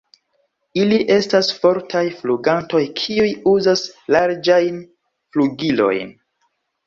Ili estas fortaj flugantoj kiuj uzas larĝajn flugilojn.